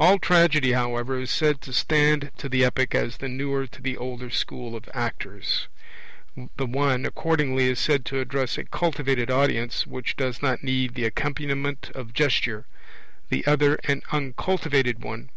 All Tragedy, however, is said to stand to the Epic as the newer to the older school of actors. The one, accordingly, is said to address a cultivated 'audience, which does not need the accompaniment of gesture; the other, an uncultivated one.